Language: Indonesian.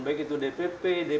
baik itu dpp dpd maupun dpc